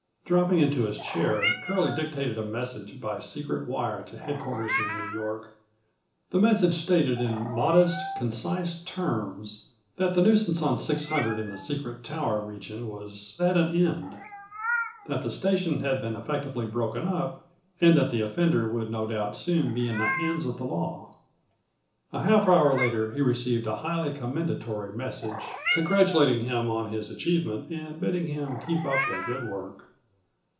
Dropping into his chair, Curlie dictated a message by secret wire to headquarters in New York. The message stated in modest, concise terms that the nuisance on 600 in the secret tower region was at an end; that the station had been effectively broken up and that the offender would no doubt soon be in the hands of the law. A half hour later he received a highly commendatory76 message, congratulating him on his achievement and bidding him keep up the good work.